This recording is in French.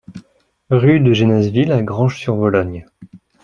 Rue de Genazeville à Granges-sur-Vologne